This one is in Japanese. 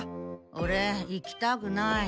オレ行きたくない。